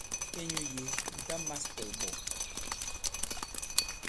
Inyū yě mɛ̀ ta mās tɔ̀ ìɓɔ̀.